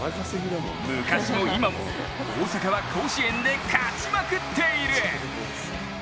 昔も今も、大阪は甲子園で勝ちまくっている！